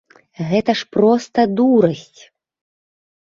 Гэта ж проста дурасць.